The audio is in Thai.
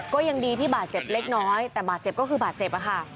ก็ยังดีที่บาดเจ็บเล็กน้อยแต่บาดเจ็บก็คือบาดเจ็บค่ะ